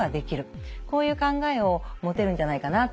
こういう考えを持てるんじゃないかなと思ってます。